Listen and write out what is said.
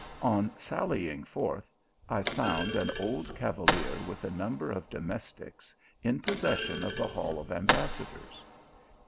On sall\ ing forth I found an old cavalier with a number of domestics in possession of the hall of ambassadors.